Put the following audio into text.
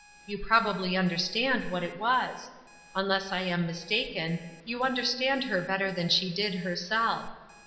You probably understand what it was. Unless I am mistaken, you understand her better than she did herself.